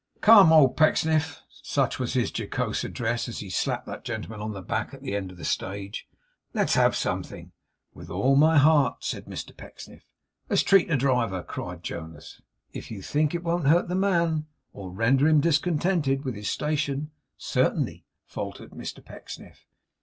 'Come, old Pecksniff!' Such was his jocose address, as he slapped that gentleman on the back, at the end of the stage 'let's have something!' 'With all my heart,' said Mr Pecksniff. 'Let's treat the driver,' cried Jonas. 'If you think it won't hurt the man, or render him discontented with his station certainly,' faltered Mr Pecksniff.